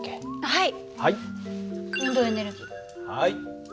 はい。